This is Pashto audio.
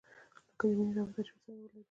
لکه د مينې رابطه چې ورسره ولري.